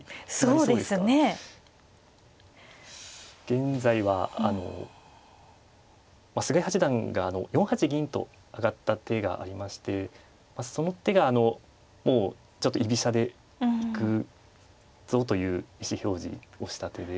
現在はまあ菅井八段が４八銀と上がった手がありましてその手がもうちょっと居飛車でいくぞという意思表示をした手で。